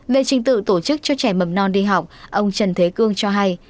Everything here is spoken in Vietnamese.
về trình tự tổ chức cho trẻ mầm non đi học ông trần thế cương cho hay